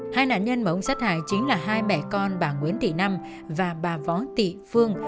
hai nạn nhân mà ông sát hải chính là hai mẹ con bà nguyễn thị năm và bà võ tị phương